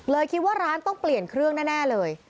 คิดว่าร้านต้องเปลี่ยนเครื่องแน่เลย